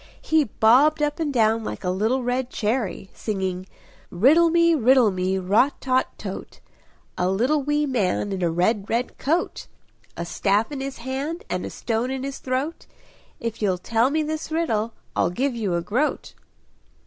He bobbed up and down like a little red cherry, singing "Riddle me, riddle me, rot tot tote! A little wee man, in a red red coat! A staff in his hand, and a stone in his throat; If you'll tell me this riddle, I'll give you a groat."